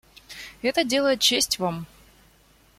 Это делает честь Вам.